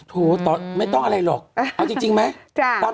โถไม่ต้องอะไรหรอกเอาจริงไหม